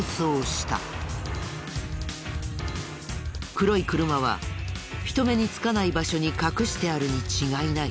黒い車は人目につかない場所に隠してあるに違いない。